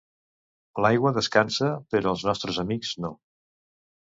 L'aigua descansa, però els nostres amics no.